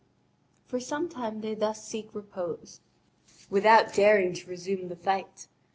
For some time they thus seek repose, without daring to resume the fight.